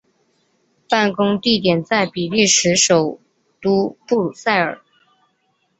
办公地点在比利时首都布鲁塞尔。